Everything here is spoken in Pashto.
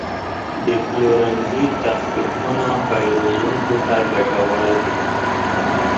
د پلورنځي تخفیفونه پیرودونکو ته ګټور دي.